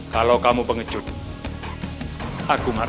kalau kamu pengecut aku maru